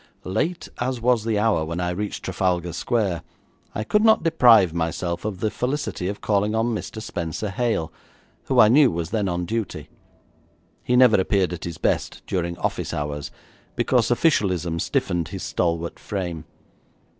Late as was the hour when I reached Trafalgar Square, I could not deprive myself of the felicity of calling on Mr. Spenser Hale, who I knew was then on duty. He never appeared at his best during office hours, because officialism stiffened his stalwart frame.